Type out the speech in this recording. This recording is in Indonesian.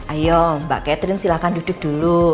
ayo mbak catherine silahkan duduk dulu